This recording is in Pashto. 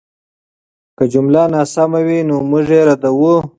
که جمله ناسمه وه، نو موږ یې ردوو.